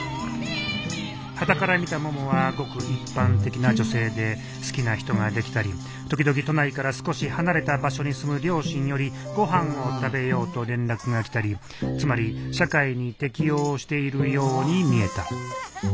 端から見たももはごく一般的な女性で好きな人ができたり時々都内から少し離れた場所に住む両親よりごはんを食べようと連絡が来たりつまり社会に適応しているように見えた。